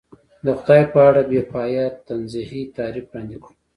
د خدای په اړه بې پایه تنزیهي تعریف وړاندې کړو.